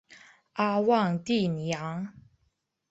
阿旺蒂尼昂。